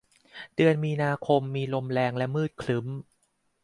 เดือนมีนาคมมีลมแรงและมืดครึ้ม